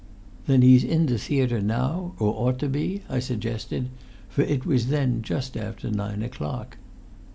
"Then he's in the theatre now, or ought to be?" I suggested; for it was then just after nine o'clock.